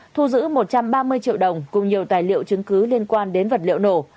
thu giữ một trăm ba mươi triệu đồng cùng nhiều tài liệu chứng cứ liên quan đến vật liệu nổ